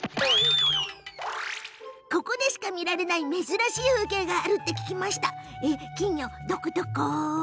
ここでしか見られない珍しい風景があると聞いてやって来ました。